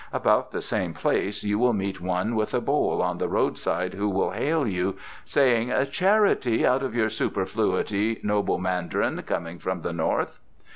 About the same place you will meet one with a bowl on the roadside who will hail you, saying, 'Charity, out of your superfluity, noble mandarin coming from the north!